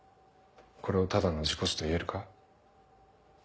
これをただの事故死と言えるか？